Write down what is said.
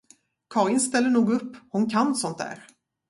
Karin ställer nog upp, hon kan sånt där!